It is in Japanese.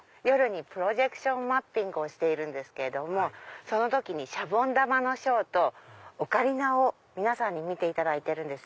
夜にプロジェクションマッピングをしているんですけどもその時にシャボン玉のショーとオカリナを見ていただいてる。